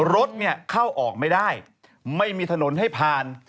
รถเนี่ยเข้าออกไม่ได้ไม่มีถนนให้ผ่าน